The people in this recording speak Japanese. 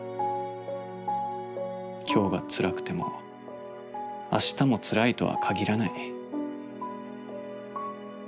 今日が辛くても明日も辛いとは限らない。